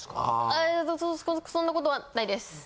あいやそそんなことはないです。